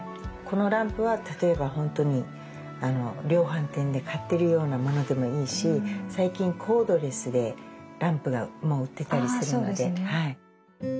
このランプは例えばほんとに量販店で買ってるようなものでもいいし最近コードレスでランプも売ってたりするので。